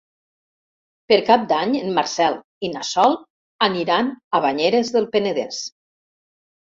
Per Cap d'Any en Marcel i na Sol aniran a Banyeres del Penedès.